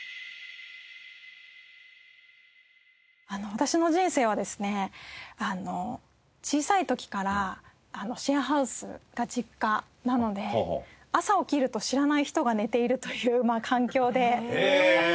私の人生はですねあの小さい時からシェアハウスが実家なので朝起きると知らない人が寝ているという環境で。